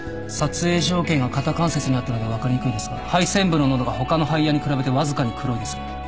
撮影条件が肩関節にあったので分かりにくいですが肺尖部の濃度が他の肺野に比べてわずかに黒いです。